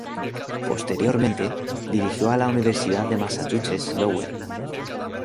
Posteriormente dirigió a la Universidad de Massachusetts Lowell.